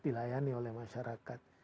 dilayani oleh masyarakat